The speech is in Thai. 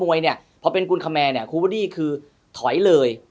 เมื่อเวลาถึงคุณคำแมว่าเป้า๔๐๑ถอยเลย์